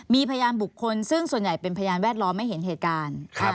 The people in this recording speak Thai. มีพยานบุคคลซึ่งส่วนใหญ่เป็นพยานแวดล้อมไม่เห็นเหตุการณ์